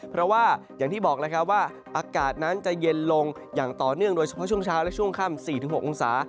เพราะว่าอย่างที่บอกแล้วครับว่าอากาศนั้นจะเย็นลงอย่างต่อเนื่องโดยเฉพาะช่วงเช้าและช่วงค่ำ๔๖องศา